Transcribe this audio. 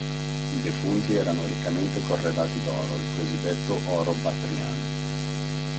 I defunti erano riccamente corredati d'oro, il cosiddetto oro battriano.